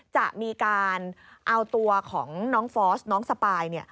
จะมีการเอาตัวของน้องฟอสน้องสปาย